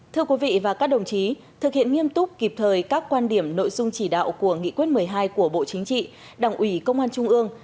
thưa quý vị và các đồng chí thực hiện nghiêm túc kịp thời các quan điểm nội dung chỉ đạo của nghị quyết một mươi hai của bộ chính trị đảng ủy công an trung ương